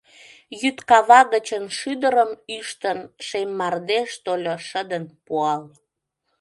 Йӱд кава гычын шӱдырым ӱштын, Шем мардеж тольо, шыдын пуал.